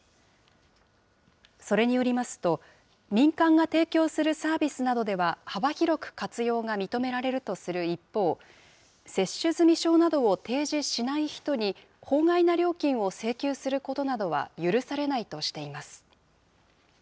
それによりますと、民間が提供するサービスなどでは幅広く活用が認められるとする一方、接種済証などを提示しない人に、法外な料金を請求することなどは許されないとしています。